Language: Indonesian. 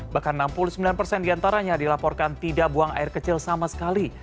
bahkan enam puluh sembilan persen diantaranya dilaporkan tidak buang air kecil sama sekali